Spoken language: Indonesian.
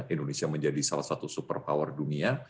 indonesia menjadi salah satu super power dunia